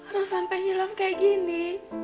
rok sampai nyilau kayak gini